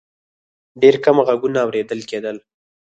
ډېر کم غږونه اورېدل کېدل.